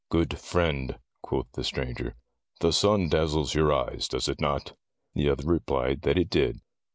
"Good friend," quoth the stranger, "the sun dazzles your eyes, does it not?" The other replied that it did.